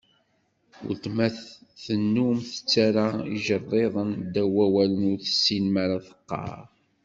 Uletma tennum tettarra ijerriḍen ddaw wawalen ur tessin mara teqqar.